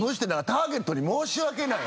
ターゲットに申し訳ない。